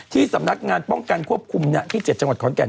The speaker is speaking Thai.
สำนักงานป้องกันควบคุมที่๗จังหวัดขอนแก่น